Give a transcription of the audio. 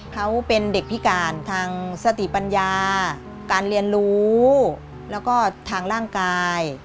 เขาเป็นเด็กพิการทางสติปัญญาการเรียนรู้แล้วก็ทางร่างกาย